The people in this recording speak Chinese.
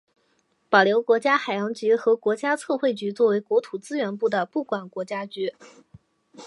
保留国家海洋局和国家测绘局作为国土资源部的部管国家局。